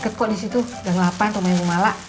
deket kok disitu deng lapan sama yang bumala